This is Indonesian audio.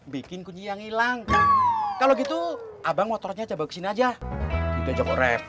bikin kunci yang hilang kalau gitu abang motornya coba kesini aja